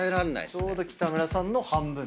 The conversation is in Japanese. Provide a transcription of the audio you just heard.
ちょうど北村さんの半分。